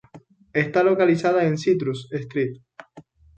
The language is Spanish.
Está localizada en Citrus Street.